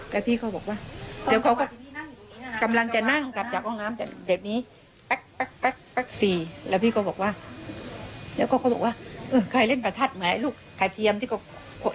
แล้วพี่เขาบอกว่าแล้วก็เขาบอกว่าเออใครเล่นประทัดเหมือนไอลูกกาเทียมที่เขา